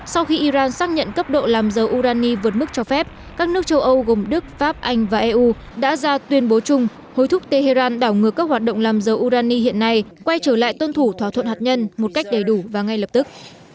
sau khi iran xác nhận cấp độ làm dầu urani vượt mức cho phép các nước châu âu gồm đức pháp anh và eu đã ra tuyên bố chung hối thúc tehran đảo ngược các hoạt động làm dầu urani hiện nay quay trở lại tuân thủ thỏa thuận hạt nhân một cách đầy đủ và ngay lập tức